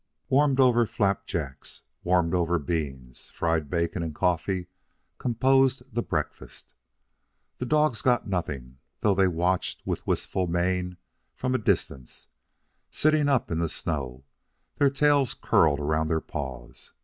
Warmed over flapjacks, warmed over beans, fried bacon, and coffee composed the breakfast. The dogs got nothing, though they watched with wistful mien from a distance, sitting up in the snow, their tails curled around their paws.